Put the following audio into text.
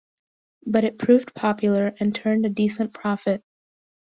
But it proved popular and turned a decent profit.